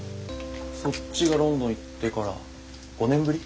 そっちがロンドン行ってから５年ぶり？